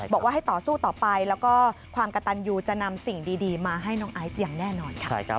บอกว่าให้ต่อสู้ต่อไปแล้วก็ความกระตันยูจะนำสิ่งดีมาให้น้องไอซ์อย่างแน่นอนค่ะ